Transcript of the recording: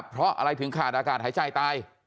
เพราะอะไรถึงขาดอากาศหายใจตาย